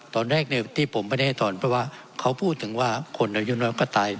ตอนแรกที่ผมไม่ได้ให้ถอนเพราะว่าเขาพูดถึงว่าคนอายุน้อยก็ตาย